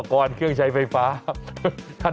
อ่าเรื่องราวของกัน